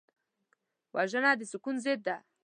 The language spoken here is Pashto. وژنه د سکون ضد ده